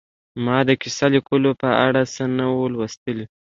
ما د کیسه لیکلو په اړه څه نه وو لوستي